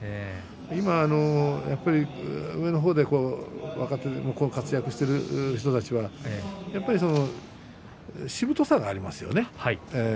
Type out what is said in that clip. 今、上の方で活躍している人たちはやっぱりしぶとさがありますよね。